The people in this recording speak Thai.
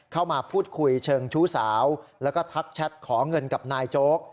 เข้ามาพูดคุยเชิงชู้สาวแล้วก็ทักแชทขอเงินกับนายโจ๊ก